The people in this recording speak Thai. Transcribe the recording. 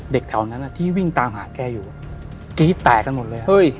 แถวนั้นที่วิ่งตามหาแกอยู่กรี๊ดแตกกันหมดเลย